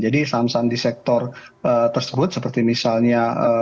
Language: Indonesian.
jadi saham saham di sektor tersebut seperti misalnya